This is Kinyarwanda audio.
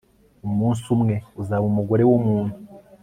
umunsi umwe uzaba umugore wumuntu